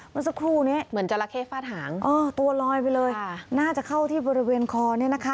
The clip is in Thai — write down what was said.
มันสักครู่นี้ตัวลอยไปเลยน่าจะเข้าที่บริเวณคอเนี่ยนะคะ